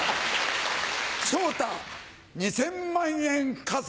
昇太２０００万円貸せ。